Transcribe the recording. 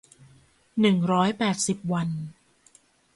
หนึ่งร้อยแปดสิบ วัน